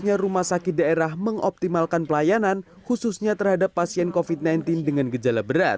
di saat pandemi covid sembilan belas saat ini seharusnya rumah sakit daerah mengoptimalkan pelayanan khususnya terhadap pasien covid sembilan belas dengan gejala berat